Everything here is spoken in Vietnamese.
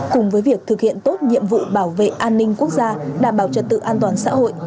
cùng với việc thực hiện tốt nhiệm vụ bảo vệ an ninh quốc gia đảm bảo trật tự an toàn xã hội